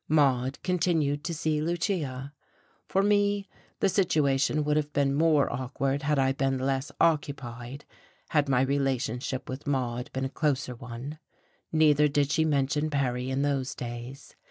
Maude continued to see Lucia. For me, the situation would have been more awkward had I been less occupied, had my relationship with Maude been a closer one. Neither did she mention Perry in those days.